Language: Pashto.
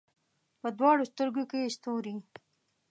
په دواړو سترګو کې یې ستوري